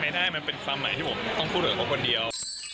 ไม่ได้มันเป็นความหมายที่ผมต้องพูดเหลือเพราะคนเดียว